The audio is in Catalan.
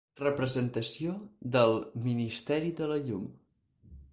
Representació del "Misteri de la Llum".